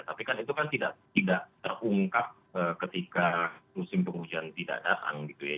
tapi kan itu kan tidak terungkap ketika musim penghujan tidak datang gitu ya